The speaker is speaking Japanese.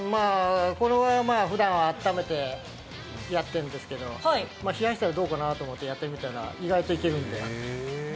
これはふだん、あっためてやっているんですけど、冷やしたらどうかなと思ってやってみたら、意外といけるんで。